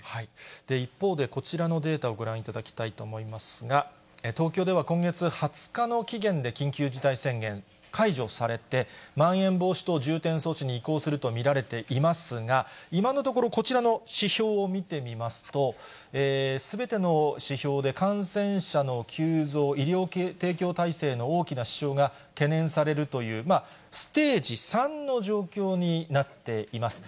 一方でこちらのデータをご覧いただきたいと思いますが、東京では今月２０日の期限で緊急事態宣言解除されて、まん延防止等重点措置に移行すると見られていますが、今のところ、こちらの指標を見てみますと、すべての指標で感染者の急増、医療提供体制の大きな支障が懸念されるという、ステージ３の状況になっています。